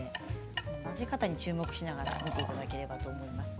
混ぜ方に注目していただければと思います。